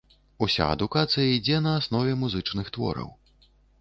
Уся адукацыя ідзе на аснове музычных твораў.